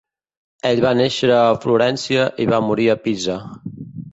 Ell va néixer a Florència i va morir a Pisa.